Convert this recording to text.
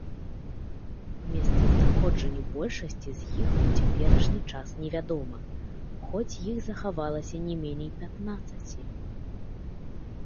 Месцазнаходжанне большасці з іх у цяперашні час невядома, хоць іх захавалася не меней пятнаццаці.